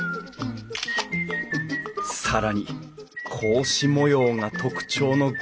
更に格子模様が特徴の格